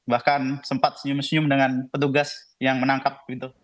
bahkan sempat senyum senyum dengan petugas yang menangkap